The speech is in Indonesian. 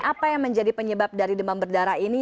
apa yang menjadi penyebab dari demam berdarah ini